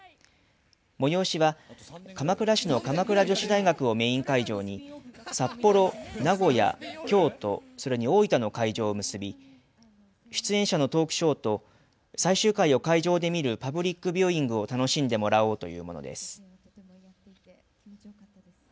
催しは鎌倉市の鎌倉女子大学をメイン会場に札幌、名古屋、京都、それに大分の会場を結び出演者のトークショーと最終回を会場で見るパブリックビューイングを楽しんでもらおうというものです。